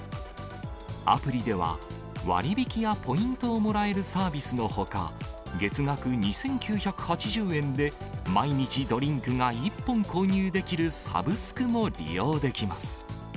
アプリでは、割引やポイントをもらえるサービスのほか、月額２９８０円で、毎日ドリンクが１本購入できるサブスクも利用できます。